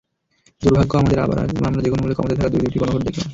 দুর্ভাগ্য আমাদের, আবার আমরা যেকোনো মূল্যে ক্ষমতায় থাকার দুই-দুটি গণভোট দেখলাম।